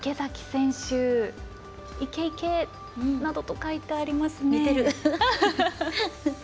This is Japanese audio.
池崎選手、イケイケ！と書いてありますね。